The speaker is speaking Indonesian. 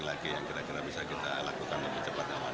lagi lagi yang kira kira bisa kita lakukan lebih cepat lebih aman